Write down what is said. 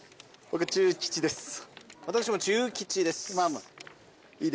私も中吉です。